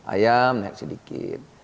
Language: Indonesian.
ayam naik sedikit